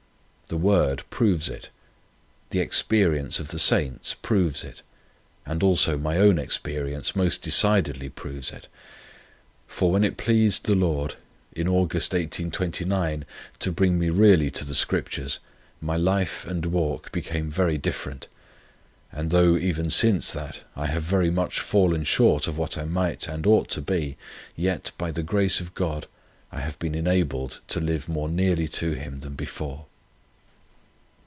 The Word proves it. The experience of the saints proves it; and also my own experience most decidedly proves it. For when it pleased the Lord in Aug. 1829, to bring me really to the Scriptures, my life and walk became very different. And though even since that I have very much fallen short of what I might and ought to be, yet, by the grace of God, I have been enabled to live much nearer to Him than before.